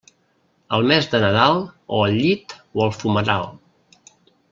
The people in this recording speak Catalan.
El mes de Nadal, o al llit o al fumeral.